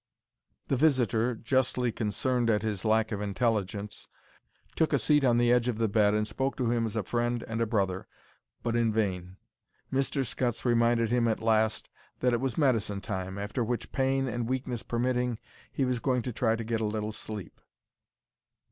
The visitor, justly concerned at his lack of intelligence, took a seat on the edge of the bed and spoke to him as a friend and a brother, but in vain. Mr. Scutts reminded him at last that it was medicine time, after which, pain and weakness permitting, he was going to try to get a little sleep.